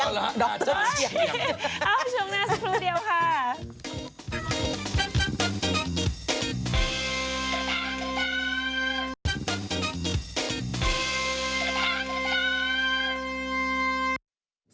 เอ้าชมหน้าสักครู่เดียวค่ะ